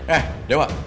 eh ya pak